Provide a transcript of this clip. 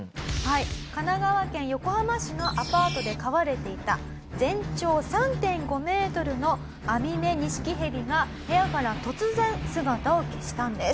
神奈川県横浜市のアパートで飼われていた全長３．５メートルのアミメニシキヘビが部屋から突然姿を消したんです。